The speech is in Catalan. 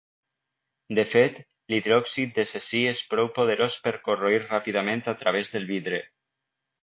De fet, l'hidròxid de cesi és prou poderós per corroir ràpidament a través del vidre.